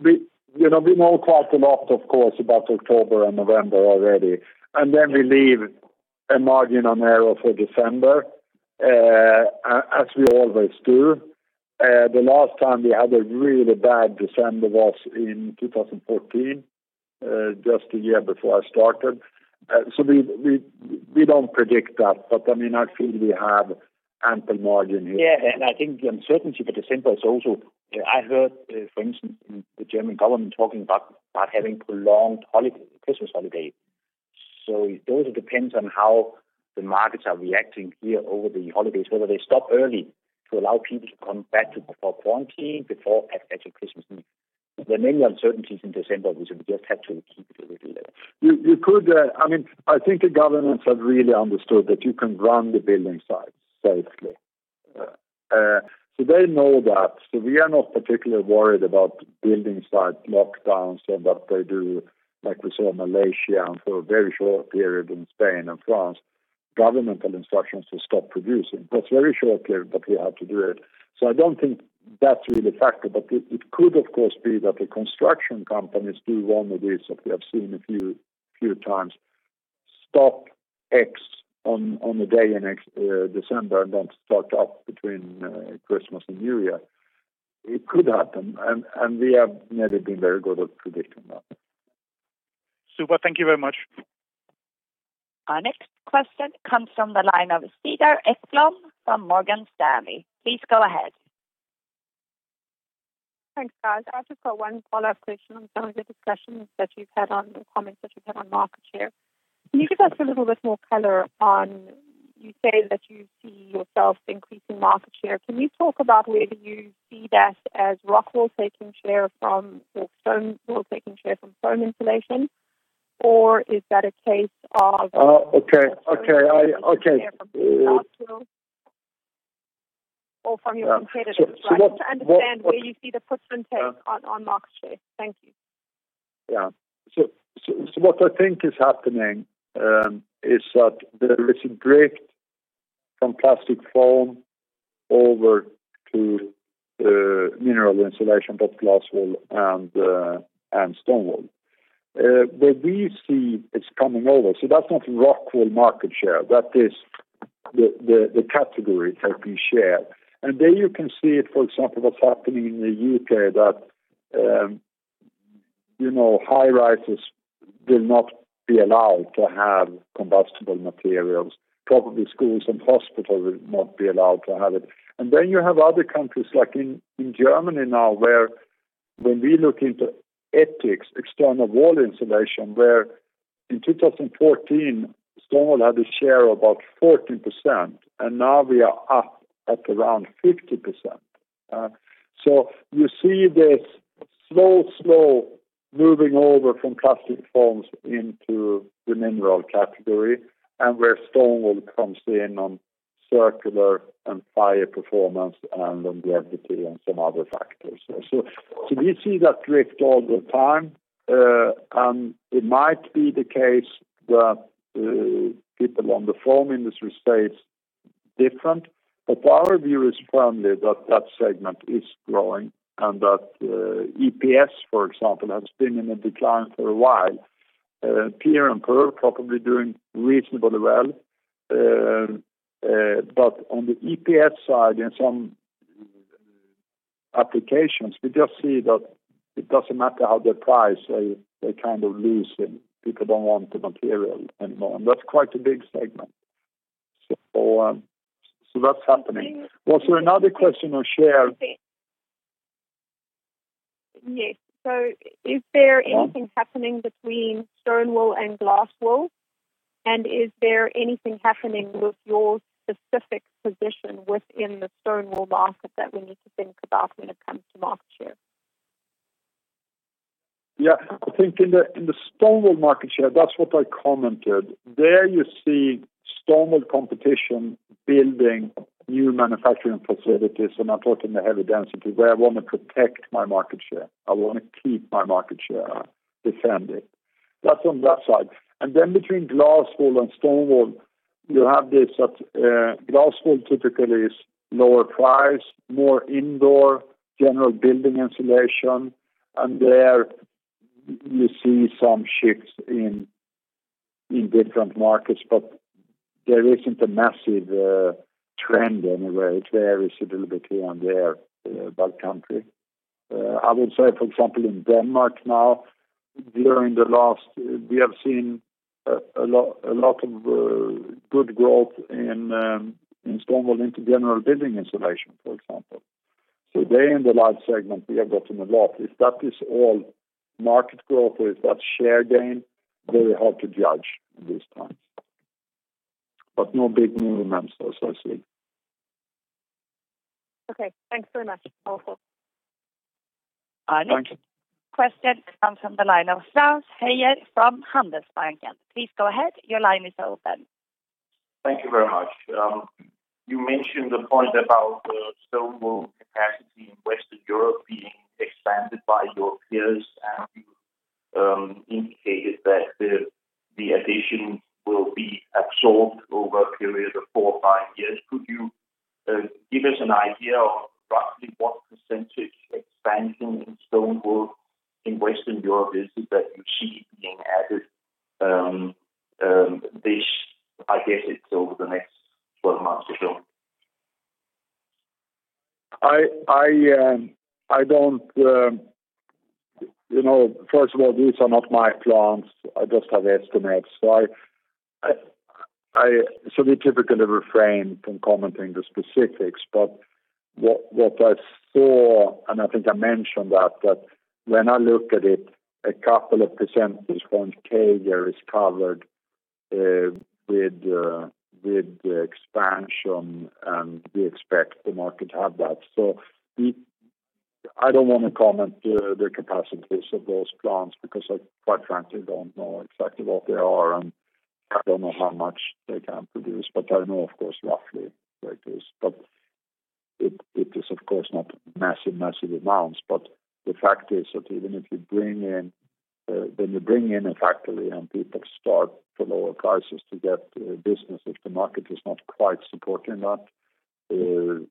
We know quite a lot, of course, about October and November already. We leave a margin on there for December, as we always do. The last time we had a really bad December was in 2014, just a year before I started. We don't predict that, but I think we have ample margin here. Yeah, I think the uncertainty for December is also, I heard, for instance, the German government talking about having prolonged Christmas holiday. It also depends on how the markets are reacting here over the holidays, whether they stop early to allow people to come back before quarantine, before actual Christmas. There are many uncertainties in December, which we just have to keep it a little bit. I think the governments have really understood that you can run the building sites safely. They know that. We are not particularly worried about building site lockdowns and what they do, like we saw in Malaysia and for a very short period in Spain and France, governmental instructions to stop producing. It was very short period, but we had to do it. I don't think that's really a factor, but it could, of course, be that the construction companies do one of these that we have seen a few times, stop X on the day in December and don't start up between Christmas and New Year. It could happen, we have never been very good at predicting that. Super. Thank you very much. Our next question comes from the line of Cedar Ekblom from Morgan Stanley. Please go ahead. Thanks, guys. I just got one follow-up question on some of the discussions that you've had on, or comments that you've had on market share. Can you give us a little bit more color on, you say that you see yourself increasing market share. Can you talk about whether you see that as ROCKWOOL taking share from foam insulation, or is that a case of? Okay. Or from your competitors? Just to understand where you see the push and pull on market share. Thank you. What I think is happening is that there is a drift from plastic foam over to mineral insulation, both glass wool and stone wool. Where we see it's coming over, so that's not ROCKWOOL market share. The category can be shared. There you can see it, for example, what's happening in the U.K. that high-rises will not be allowed to have combustible materials. Probably schools and hospitals will not be allowed to have it. You have other countries like in Germany now, where when we look into ETICS, external wall insulation, where in 2014, stone wool had a share of about 14%, and now we are up at around 50%. You see this slow moving over from plastic foams into the mineral category, and where stone wool comes in on circular and fire performance and on density and some other factors. We see that drift all the time. It might be the case that people on the foam industry stay different. Our view is firmly that that segment is growing and that EPS, for example, has been in a decline for a while. PIR and PUR probably doing reasonably well. On the EPS side, in some applications, we just see that it doesn't matter how they price, they kind of lose and people don't want the material anymore. That's quite a big segment. That's happening. Was there another question on share? Yes. Is there anything happening between stone wool and glass wool, and is there anything happening with your specific position within the stone wool market that we need to think about when it comes to market share? Yeah, I think in the stone wool market share, that's what I commented. There you see stone wool competition building new manufacturing facilities, and I thought in the heavy density where I want to protect my market share, I want to keep my market share, defend it. That's on that side. And then between glass wool and stone wool, you have this at glass wool typically is lower price, more indoor general building insulation. And there you see some shifts in different markets, but there isn't a massive trend anywhere. It's there is a little bit here and there by country. I would say, for example, in Denmark now, during the last, we have seen a lot of good growth in stone wool into general building insulation, for example. So there in the large segment, we have gotten a lot. If that is all market growth or is that share gain, very hard to judge at this point. No big movements as I see. Okay, thanks very much. Thank you. Our next question comes from the line of Frans Hoyer from Handelsbanken. Please go ahead. Your line is open. Thank you very much. You mentioned the point about the stone wool capacity in Western Europe being expanded by your peers, and you indicated that the addition will be absorbed over a period of four or five years. Could you give us an idea of roughly what percentage expansion in stone wool in Western Europe is it that you see being added this, I guess it's over the next 12 months or so? These are not my plants. I just have estimates. We typically refrain from commenting the specifics, but what I saw, and I think I mentioned that when I look at it, a couple of percentages from CAGR is covered with the expansion, and we expect the market to have that. I don't want to comment the capacities of those plants because I quite frankly don't know exactly what they are, and I don't know how much they can produce. I know, of course, roughly where it is. It is of course not massive amounts. The fact is that even if you bring in a factory and people start to lower prices to get business, if the market is not quite supporting that, an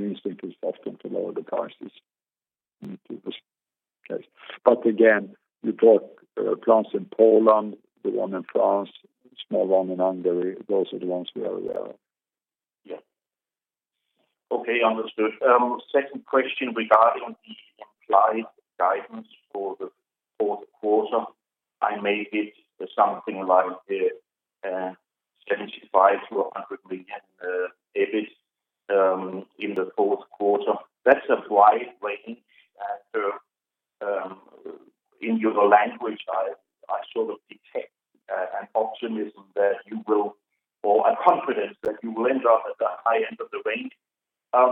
instinct is often to lower the prices. Again, you talk plants in Poland, the one in France, small one in Hungary, those are the ones we are aware of. Yeah. Okay, understood. Second question regarding the implied guidance for the fourth quarter. I made it something like 75 million-100 million EBIT in the fourth quarter. That's a wide range. In your language, I sort of detect an optimism that you will, or a confidence that you will end up at the high end of the range. I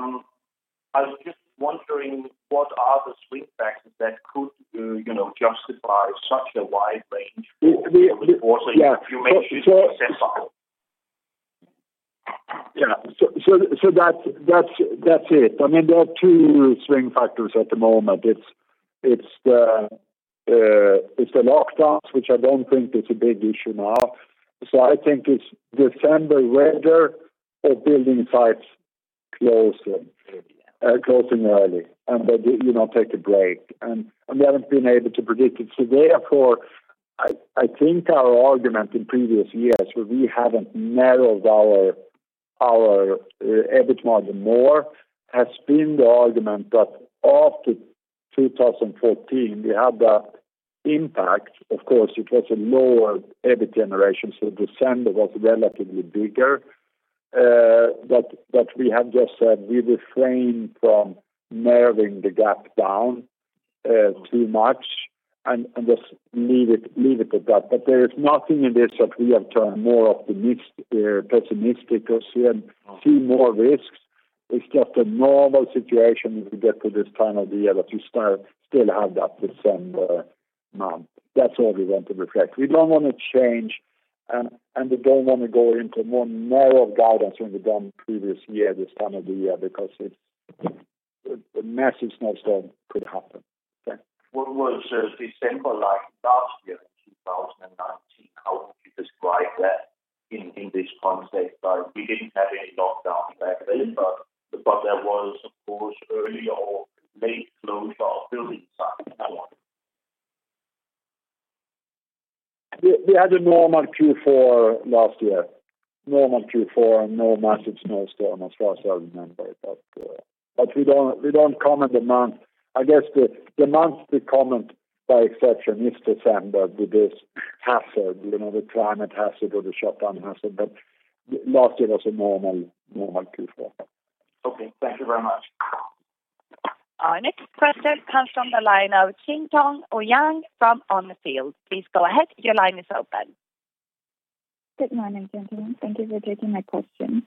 was just wondering, what are the swing factors that could justify such a wide range for the fourth quarter? Yeah. If you may be so specific. Yeah. That's it. There are two swing factors at the moment. It's the lockdowns, which I don't think is a big issue now. I think it's December weather or building sites closing closing early and they do take a break, and we haven't been able to predict it. Therefore, I think our argument in previous years where we haven't narrowed our EBIT margin more has been the argument that after 2014, we had that impact. Of course, it was a lower EBIT generation, so December was relatively bigger. We have just said we refrain from narrowing the gap down too much and just leave it at that. There is nothing in this that we have turned more pessimistic or see more risks. It's just a normal situation when we get to this time of the year that we still have that December month. That's all we want to reflect. We don't want to change. We don't want to go into more narrow guidance than we've done previous year this time of the year because a massive snowstorm could happen. Okay. What was December like last year in 2019? How would you describe that in this context? We didn't have any lockdown back then, but there was, of course, early or late closure of buildings at that point. We had a normal Q4 last year. Normal Q4, no massive snowstorm as far as I remember it. We don't comment the month. I guess the monthly comment by exception is December with this hazard, the climate hazard or the shutdown hazard. Last year was a normal Q4. Okay. Thank you very much. Our next question comes from the line of [Kim Tung OuYang] from On the Field. Please go ahead. Your line is open. Good morning, gentlemen. Thank you for taking my question.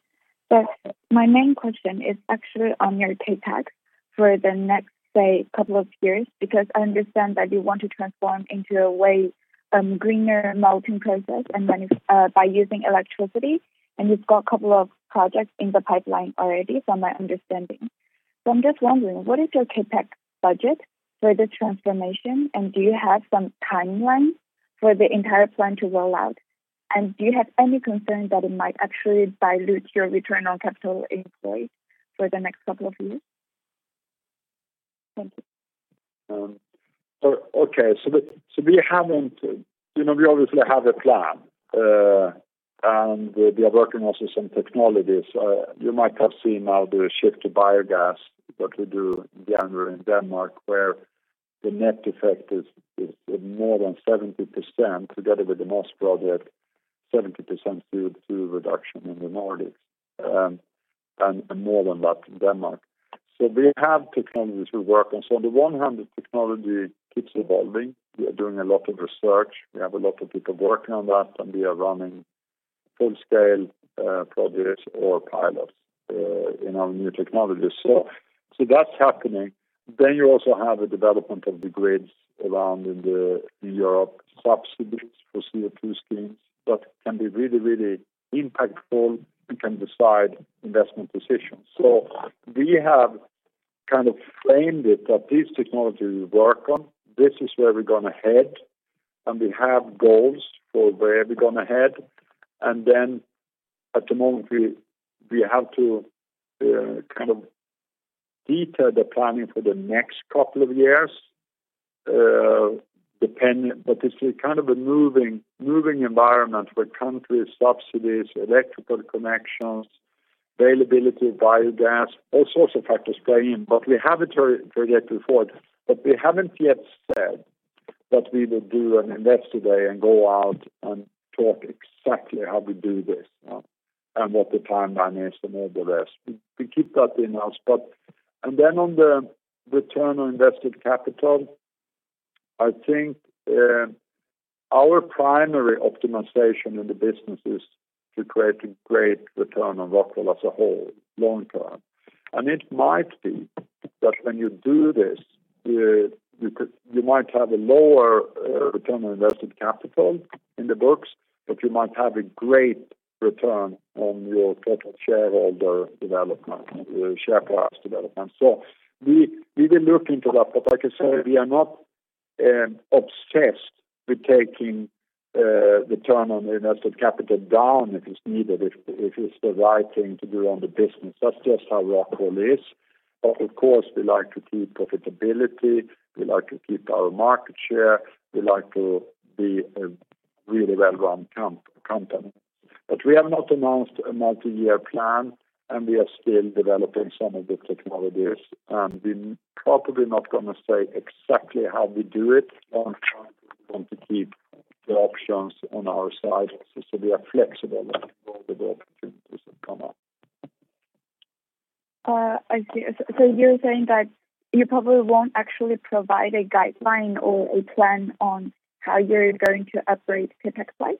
My main question is actually on your CapEx for the next, say, couple of years, because I understand that you want to transform into a way greener melting process by using electricity, and you've got a couple of projects in the pipeline already from my understanding. I'm just wondering, what is your CapEx budget for this transformation, and do you have some timeline for the entire plan to roll out? Do you have any concern that it might actually dilute your return on capital employed for the next couple of years? Thank you. Okay. We obviously have a plan, and we are working also some technologies. You might have seen now there is shift to biogas, what we do in Øster Doense in Denmark, where the net effect is more than 70%, together with the Moss project, 70% CO2 reduction in the Nordics, and more than that in Denmark. We have technologies we work on. On the one hand, the technology keeps evolving. We are doing a lot of research. We have a lot of people working on that, and we are running full-scale projects or pilots in our new technologies. That's happening. You also have a development of the grids around in Europe subsidies for CO2 schemes that can be really, really impactful and can decide investment decisions. We have kind of framed it that these technologies we work on, this is where we're going to head, and we have goals for where we're going to head. At the moment we have to kind of detail the planning for the next couple of years. It's kind of a moving environment where countries, subsidies, electrical connections, availability of biogas, all sorts of factors play in. We have a trajectory forward, but we haven't yet said that we will do and invest today and go out and talk exactly how we do this now and what the timeline is and all the rest. We keep that in-house. On the return on invested capital, I think our primary optimization in the business is to create a great return on ROCKWOOL as a whole long-term. It might be that when you do this, you might have a lower return on invested capital in the books, but you might have a great return on your total shareholder development, share price development. We will look into that. Like I said, we are not obsessed with taking return on invested capital down if it's needed, if it's the right thing to do on the business. That's just how ROCKWOOL is. Of course, we like to keep profitability, we like to keep our market share, we like to be a really well-run company. We have not announced a multi-year plan, and we are still developing some of the technologies. We're probably not going to say exactly how we do it long-term. We want to keep the options on our side also, so we are flexible with all the opportunities that come up. I see. You're saying that you probably won't actually provide a guideline or a plan on how you're going to upgrade CapEx-wise?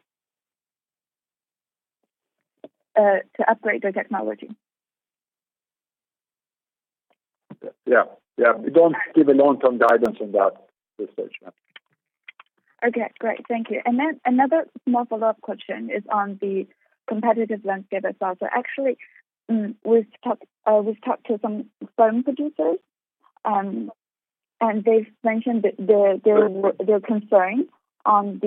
To upgrade your technology. Yeah. We don't give a long-term guidance on that research, no. Okay, great. Thank you. Another small follow-up question is on the competitive landscape as well. Actually, we've talked to some foam producers. They've mentioned their concerns on,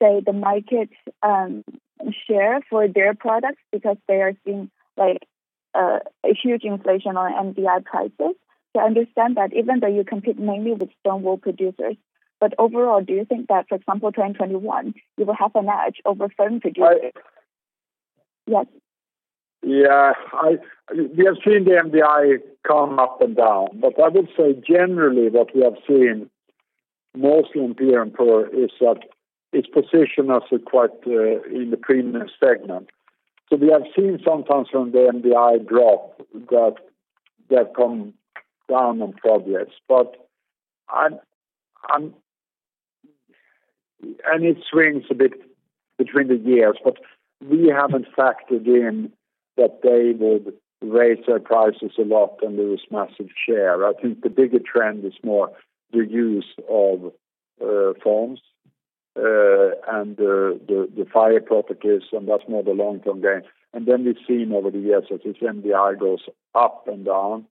say, the market share for their products because they are seeing a huge inflation on MDI prices. I understand that even though you compete mainly with stone wool producers, but overall, do you think that for example, 2021, you will have an edge over certain producers? I. Yes. We have seen the MDI come up and down, I would say generally what we have seen mostly in PIR and PUR is that its position is quite in the premium segment. We have seen sometimes from the MDI drop that come down on projects. It swings a bit between the years, but we haven't factored in that they would raise their prices a lot and lose massive share. I think the bigger trend is more the use of foams and the fire properties, and that's more the long-term gain. Then we've seen over the years that this MDI goes up and down.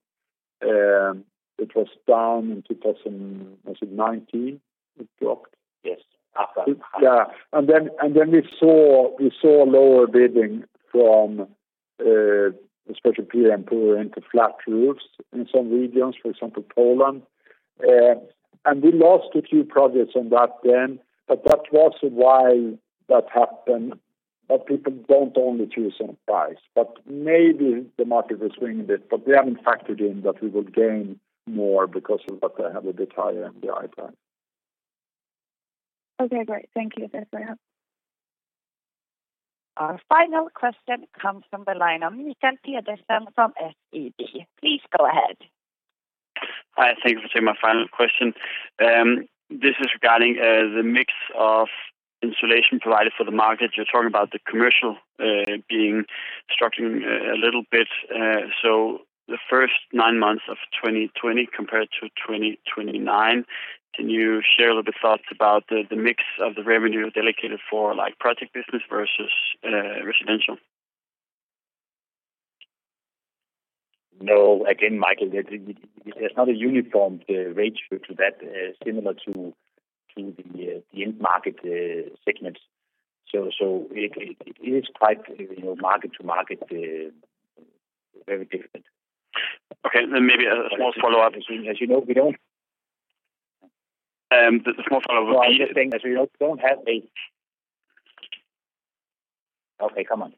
It was down in 2019, it dropped. Yes. Yeah. Then we saw lower bidding from, especially PIR and PUR into flat roofs in some regions, for example, Poland. We lost a few projects on that then, but that was why that happened. People don't only choose on price, but maybe the market will swing a bit, but we haven't factored in that we will gain more because of that they have a bit higher MDI price. Okay, great. Thank you, Svend Aage. Our final question comes from the line of Mikael Petersen from SEB. Please go ahead. Hi, thank you for taking my final question. This is regarding the mix of insulation provided for the market. You're talking about the commercial structuring a little bit. The first nine months of 2020 compared to 2021, can you share a little bit thoughts about the mix of the revenue dedicated for project business versus residential? No, again, Mikael, there's not a uniform ratio to that similar to the end market segments. It is quite market-to-market, very different. Okay, maybe a small follow-up. As you know, we don't. Just a small follow-up would be. As we don't have. Okay, come on.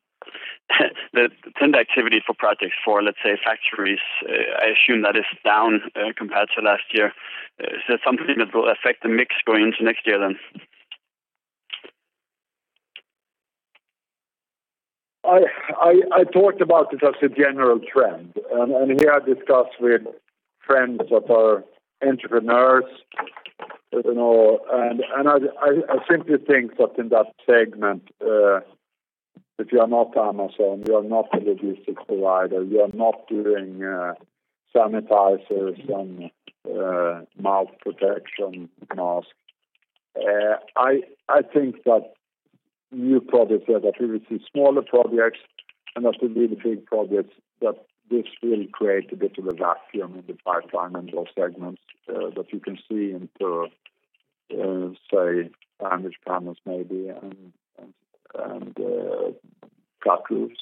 The tender activity for projects for, let's say, factories, I assume that is down compared to last year. Is that something that will affect the mix going into next year then? I thought about it as a general trend, and here I discuss with friends that are entrepreneurs, and I simply think that in that segment, if you are not Amazon, you are not a logistics provider, you are not doing sanitizers and mouth protection mask. I think that new projects that we receive, smaller projects and not the really big projects, that this will create a bit of a vacuum in the pipeline and those segments that you can see in, say, sandwich panels maybe and flat roofs.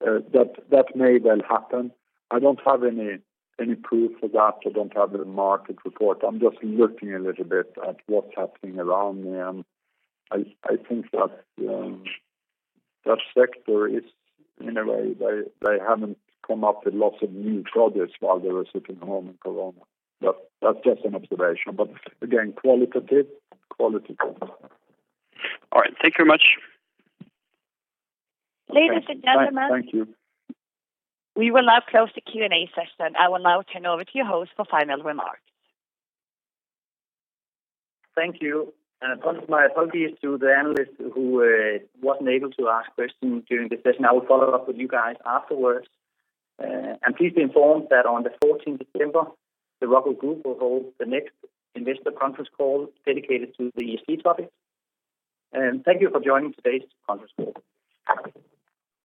That may well happen. I don't have any proof of that. I don't have the market report. I'm just looking a little bit at what's happening around me, and I think that that sector is, in a way, they haven't come up with lots of new projects while they were sitting home in corona. That's just an observation. Again, qualitative. All right. Thank you very much. Ladies and gentlemen. Thank you. We will now close the Q&A session. I will now turn over to your host for final remarks. Thank you. My apologies to the analyst who wasn't able to ask questions during the session. I will follow up with you guys afterwards. Please be informed that on the 14th December, the ROCKWOOL Group will hold the next investor conference call dedicated to the ESG topic. Thank you for joining today's conference call.